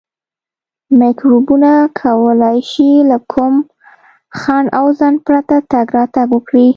میکروبونه کولای شي له کوم خنډ او ځنډ پرته تګ راتګ وکړي.